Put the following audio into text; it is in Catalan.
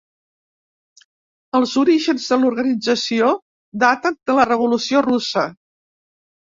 Els orígens de l'organització daten de la Revolució russa.